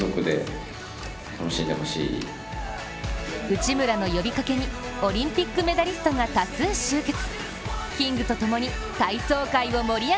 内村の呼びかけにオリンピックメダリストが多数集結。